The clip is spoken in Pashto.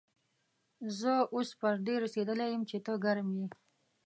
زه اوس پر دې رسېدلی يم چې ته ګرم يې.